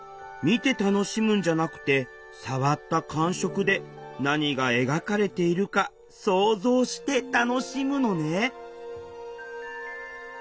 見て楽しむんじゃなくてさわった感触で何が描かれているか想像して楽しむのね